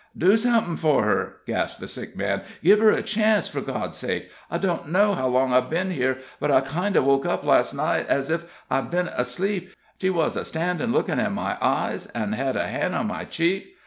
"Do somethin' for her," gasped the sick man; "give her a chance, for God's sake. I don't know how long I've been here, but I kind o' woke up las' night ez ef I'd been asleep; she wuz a standin' lookin' in my eyes, an' hed a han' on my cheek.